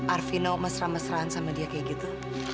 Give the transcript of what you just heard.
arvino mesra mesraan sama dia kayak gitu